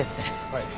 はい。